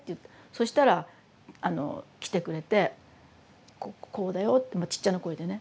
そしたらあの来てくれて「こうだよ」ってちっちゃな声でね